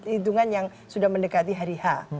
hitungan yang sudah mendekati hari h